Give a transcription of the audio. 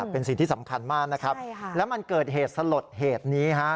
เป็นสิ่งที่สำคัญมากและมันเกิดเหตุสลดเหตุนี้